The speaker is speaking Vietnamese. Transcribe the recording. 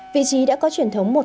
vị trí đã có truyền thống một